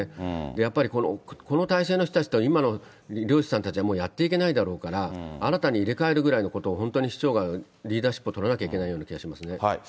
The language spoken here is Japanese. やっぱりこの体制の人たちっていうのは今の漁師さんたちは、もうやっていけないだろうから、新たに入れ替えるぐらいのことを本当に市長がリーダーシップを執らなきゃいけないような気がしますね。